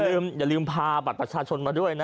แต่อย่าลืมพาบัตรผ่านชาญชนมาด้วยนะ